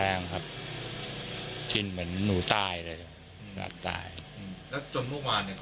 แรงครับกินเหมือนหนูตายเลยหลับตายอืมแล้วจนเมื่อวานเนี้ยก็